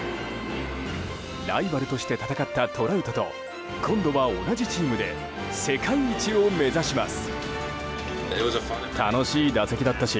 ライバルとして戦ったトラウトと今度は同じチームで世界一を目指します。